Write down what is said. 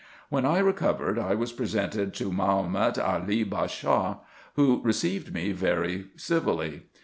When I recovered, I was presented to Mahomet Ali Bashaw, who received me very civilly.